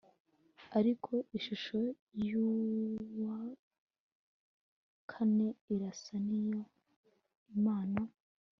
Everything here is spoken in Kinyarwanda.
ariko ishusho y uwa kane irasa n iy imana